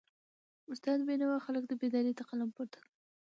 استاد بینوا د خلکو بیداری ته قلم پورته کړ.